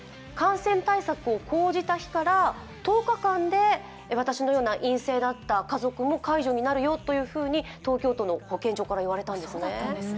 感染対策を講じた日から１０日間で私のような陰性だった家族も解除になるよというふうに東京都の保健所から言われたんですね。